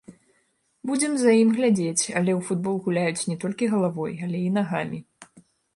Будзем за ім глядзець, але ў футбол гуляюць не толькі галавой, але і нагамі.